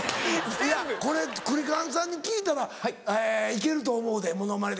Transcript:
いやこれクリカンさんに聞いたら行けると思うでモノマネ。